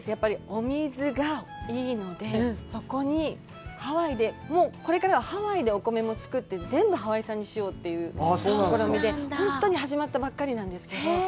お水がいいので、そこにハワイで、これからはハワイでお米も作って、全部、ハワイ産にしようという試みで、本当に始まったばっかりなんですけど。